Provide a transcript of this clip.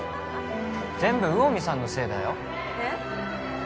全部魚見さんのせいだよえっ？